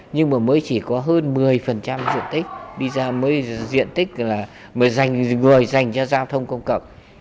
nhưng mà mới chỉ có hơn một mươi diện tích đi ra mới dành người dành cho giao thông công cộng